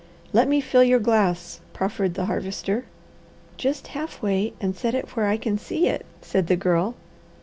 "Let me fill your glass," proffered the Harvester. "Just half way, and set it where I can see it," said the Girl.